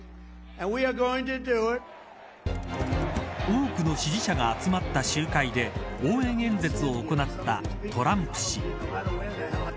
多くの支持者が集まった集会で応援演説を行ったトランプ氏。